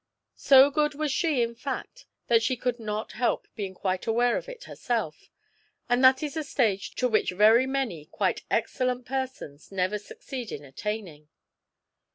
So good was she, in fact, that she could not help being aware of it herself, and that is a stage to which very many quite excellent persons never succeed in attaining.